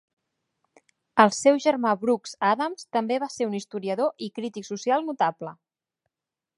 El seu germà Brooks Adams també va ser un historiador i crític social notable.